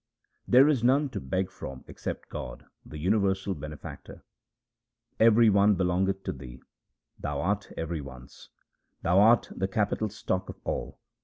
There is none to beg from except God, the uni versal Benefactor :— Every one belongeth to Thee ; Thou art every one's ; Thou art the capital stock of all.